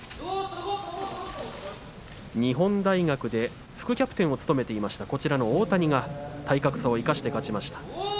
日本大学で副キャプテンを務めていました大谷が体格差を生かして勝ちました。